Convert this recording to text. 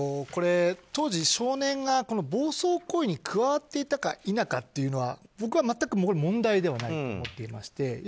当時、少年が暴走行為に加わっていたか否かというのは僕は全く問題ではないと思っていまして。